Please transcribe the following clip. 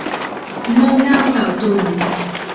โง่เง่าเต่าตุ่น